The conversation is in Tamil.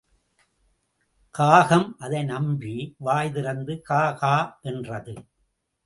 காகம் அதை நம்பி, வாய்திறந்து—கா கா என்றது.